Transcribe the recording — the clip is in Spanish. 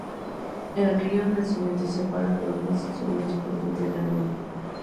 El río Nacimiento separa los dos macizos más importantes del municipio.